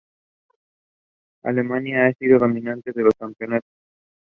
Stronger tornadoes then began to impact Oklahoma.